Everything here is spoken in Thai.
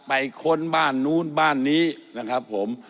ค้นบ้านนู้นบ้านนี้นะครับผม